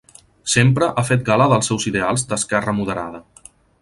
Sempre ha fet gala dels seus ideals d'esquerra moderada.